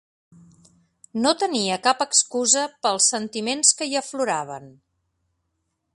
No tenia cap excusa pels sentiments que hi afloraven.